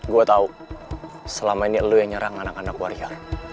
gue tau selama ini lo yang nyerang anak anak waria